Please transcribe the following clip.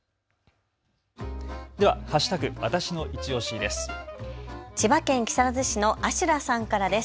では＃わたしのいちオシです。